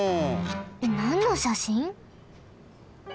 なんのしゃしん？